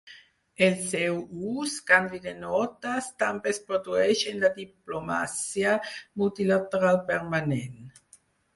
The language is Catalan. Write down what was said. El seu ús, canvi de notes, també es produeix en la diplomàcia multilateral permanent.